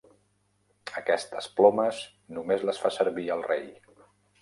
Aquestes plomes només les fa servir el rei.